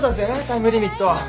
タイムリミット。